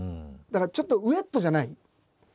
だからちょっとウエットじゃない。